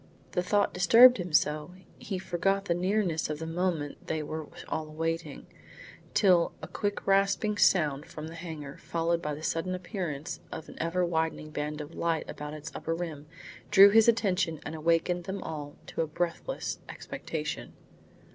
The thought disturbed him so he forgot the nearness of the moment they were all awaiting till a quick rasping sound from the hangar, followed by the sudden appearance of an ever widening band of light about its upper rim, drew his attention and awakened them all to a breathless expectation.